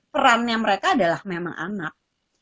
perannya mereka adalah memang anak